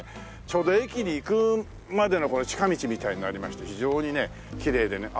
ちょうど駅に行くまでの近道みたいになりまして非常にねきれいでね。